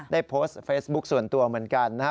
ได้โพสต์เฟซบุ๊คส่วนตัวเหมือนกันนะฮะ